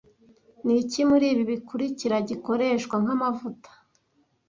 Niki muri ibi bikurikira gikoreshwa nk'amavuta